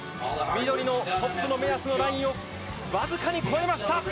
緑のトップの目安のラインをわずかに越えました。